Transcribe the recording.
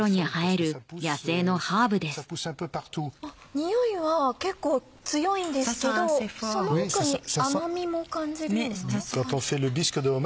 においは結構強いんですけどその奥に甘みも感じるような。